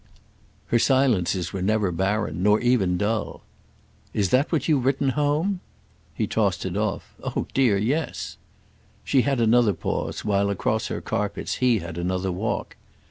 Her silences were never barren, nor even dull. "Is that what you've written home?" He tossed it off. "Oh dear, yes!" She had another pause while, across her carpets, he had another walk.